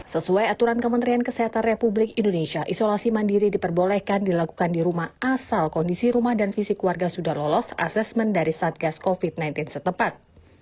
sesuai aturan kementerian kesehatan republik indonesia isolasi mandiri diperbolehkan dilakukan di rumah asal kondisi rumah dan fisik warga sudah lolos asesmen dari satgas covid sembilan belas setepat